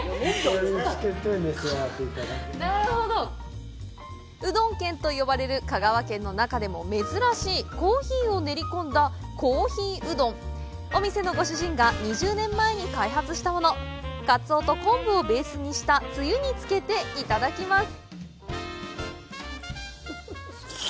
つけて召し上がって頂くなるほどうどん県と呼ばれる香川県の中でも珍しいコーヒーを練り込んだ「コーヒーうどん」お店のご主人が２０年前に開発したものかつおと昆布をベースにしたつゆに付けて頂きます